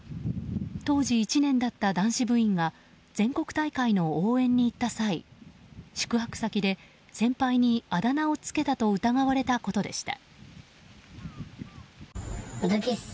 当時１年だった男子部員が全国大会の応援に行った際宿泊先で先輩にあだ名を付けたと疑われたことでした。